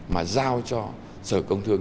mà giao cho sở công thương